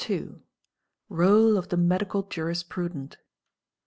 —Role of the Medical Jurisprudent.